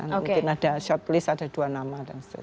mungkin ada shortlist ada dua nama